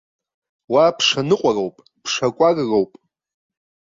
Уа ԥша ныҟәароуп, ԥша кәарроуп.